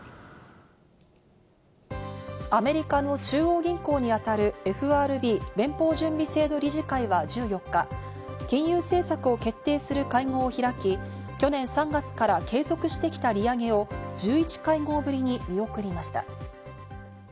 アメリカの中央銀行にあたるＦＲＢ＝連邦準備制度理事会は１４日、金融政策を決定する会合を開き、去年３月から継続してきた利上げを１１会合ぶりに見送りました。